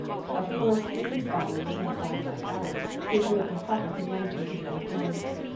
Of course if His body was not a body like ours, His real and proper humanity is at an end.